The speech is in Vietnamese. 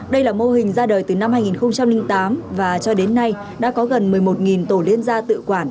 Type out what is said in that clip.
đây là mô hình ra đời từ năm hai nghìn tám và cho đến nay đã có gần một mươi một tổ liên gia tự quản